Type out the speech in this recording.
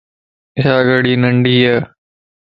يا گھڙي ننڍيءَ